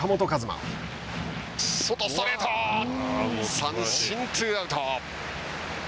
三振、ツーアウト。